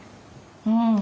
うん。